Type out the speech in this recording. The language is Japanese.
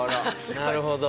なるほど。